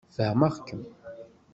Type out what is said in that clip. Fehmeɣ-kem.